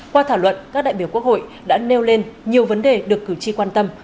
qua thảo luận các đại biểu quốc hội đã nêu lên nhiều vấn đề được cử tri quan tâm